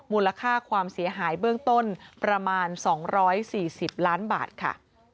มูลค่าความเสียหายเบื้องต้นประมาณ๒๔๐ล้านบาทค่ะ